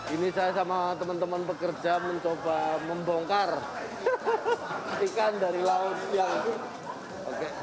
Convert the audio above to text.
ini saya sama teman teman pekerja mencoba membongkar ikan dari laut yang